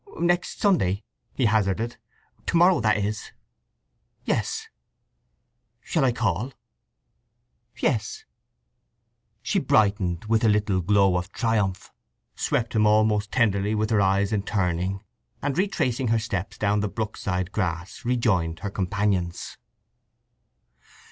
"Next Sunday?" he hazarded. "To morrow, that is?" "Yes." "Shall I call?" "Yes." She brightened with a little glow of triumph, swept him almost tenderly with her eyes in turning, and retracing her steps down the brookside grass rejoined her companions.